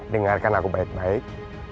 dengarkan aku baik baik